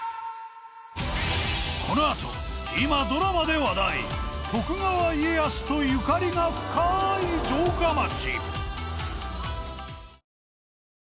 このあと今ドラマで話題徳川家康とゆかりが深い城下町。